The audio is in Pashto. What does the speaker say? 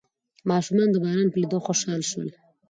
ماشومان د باران په لیدو خوشحال شول.